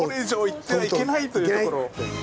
行ってはいけないというところ。